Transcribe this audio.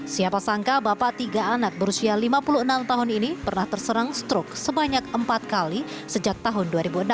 siapa sangka bapak tiga anak berusia lima puluh enam tahun ini pernah terserang strok sebanyak empat kali sejak tahun dua ribu enam